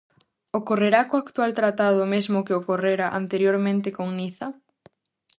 Ocorrerá co actual tratado o mesmo que ocorrera anteriormente con Niza?